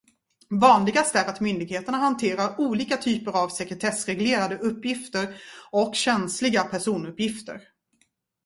Vanligast är att myndigheterna hanterar olika typer av sekretessreglerade uppgifter och känsliga personuppgifter.